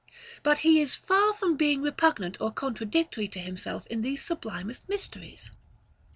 But he is far from being repugnant or contradictory to himself in these sublimest mysteries.